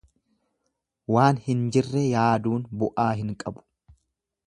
Waan hin jirre yaaduun bu'aa hin qabu.